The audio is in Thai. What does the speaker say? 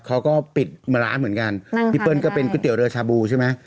เขาก็ปิดมาร้านเหมือนกันพี่เปิ้ลก็เป็นก๋วเตี๋เรือชาบูใช่ไหม